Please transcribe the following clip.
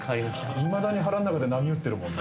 いまだに腹の中で波打ってるもんね。